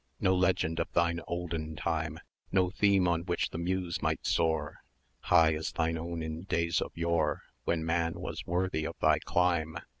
No legend of thine olden time, No theme on which the Muse might soar High as thine own in days of yore, When man was worthy of thy clime.